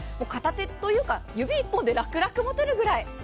片手というか、指１本で楽々持てるぐらい。